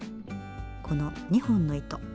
この２本の糸。